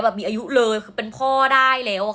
มีอายุเลยคือเป็นพ่อได้แล้ว